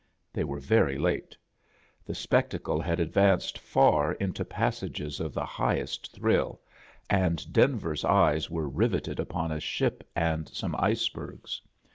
They were very late. The spectacle had advanced far into passages of the highest A JOURNEY IN SEARCH OF CHRISTMAS thrill, and Denver's eyes were riveted upon a ship and some icebergs.